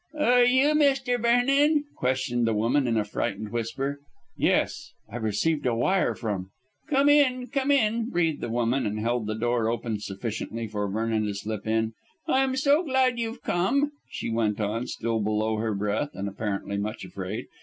"Are you Mr. Vernon?" questioned the woman in a frightened whisper. "Yes. I received a wire from " "Come in, come in," breathed the woman, and held the door open sufficiently for Vernon to slip in. "I am so glad you've come," she went on, still below her breath, and apparently much afraid.